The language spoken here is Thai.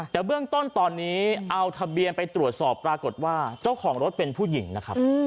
แต่เบื้องต้นตอนนี้เอาทะเบียนไปตรวจสอบปรากฏว่าเจ้าของรถเป็นผู้หญิงนะครับ